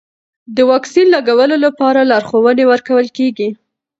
د واکسین لګولو لپاره لارښوونې ورکول کېږي.